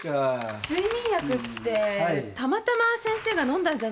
睡眠薬ってたまたま先生が飲んだんじゃないの？